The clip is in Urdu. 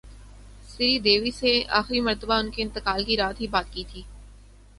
سری دیوی سے اخری مرتبہ انکے انتقال کی رات ہی بات کی تھی